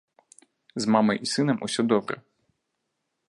З мамай і сынам усё добра.